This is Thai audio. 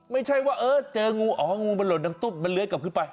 ไม่ใช่ว่าเออเจองูอ๋องูมันหล่นดังตุ๊บมันเลื้อยกลับขึ้นไป